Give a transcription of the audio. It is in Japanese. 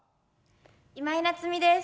今井菜津美です。